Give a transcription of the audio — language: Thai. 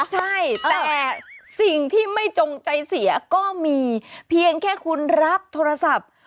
ใช่แต่สิ่งที่ไม่จงใจเสียก็มีเพียงแค่คุณรับโทรศัพท์